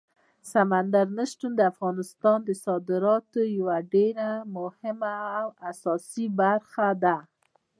سمندر نه شتون د افغانستان د صادراتو یوه ډېره مهمه او اساسي برخه ده.